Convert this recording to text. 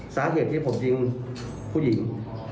สาเหตุที่ผมยิงผู้หญิง